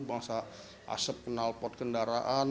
asap kenal pot kendaraan